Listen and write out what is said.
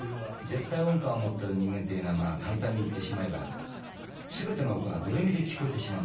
「絶対音感」を持っている人間ていうのはまぁ簡単に言ってしまえばすべての音がドレミで聞こえてしまうんです。